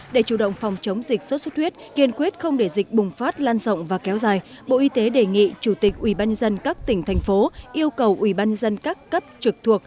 để chủ động phòng chống dịch sốt xuất huyết kiên quyết không để dịch bùng phát lan rộng và kéo dài bộ y tế đề nghị chủ tịch ubnd các tỉnh thành phố yêu cầu ubnd các cấp trực thuộc